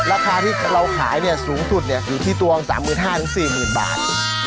ราคาที่เราขายสูงสุดอยู่ที่ตัว๓๕๐๐๔๐๐๐บาท